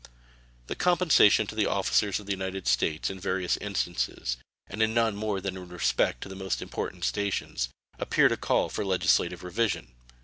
The compensation to the officers of the United States in various instances, and in none more than in respect to the most important stations, appear to call for legislative revision.